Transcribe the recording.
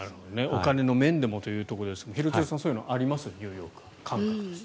お金の面でもというところですが廣津留さん、そういうのニューヨークはあります？